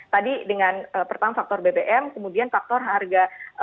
tadi dengan pertama faktor bbm kemudian faktor harga bbm masih murah biayanya